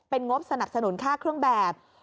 งบสนับสนุนค่าเครื่องแบบ